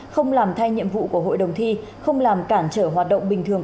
không làm thay nhiệm vụ của hội đồng thi không làm cản trở hoạt động bình thường